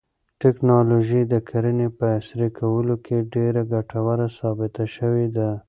تکنالوژي د کرنې په عصري کولو کې ډېره ګټوره ثابته شوې ده.